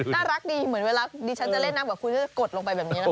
น่ารักดีเหมือนเวลาชั้นเล่นน้ำกว่าคุณก็จะกดลงไปแบบนี้